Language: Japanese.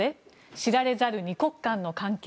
知られざる２国間の関係。